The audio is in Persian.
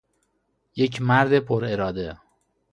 یک مرد پراراده